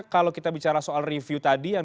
kalau kita bicara soal review tadi yang